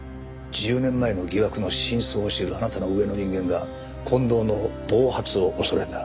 １０年前の疑惑の真相を知るあなたの上の人間が近藤の暴発を恐れた。